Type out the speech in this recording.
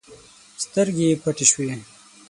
سترګې يې پټې شوې.